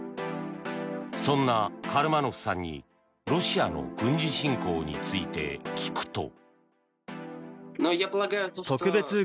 そんなカルマノフさんにロシアの軍事侵攻について聞くと。